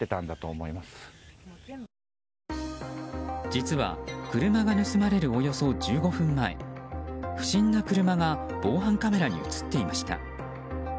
実は車が盗まれるおよそ１５分前不審な車が防犯カメラに映っていました。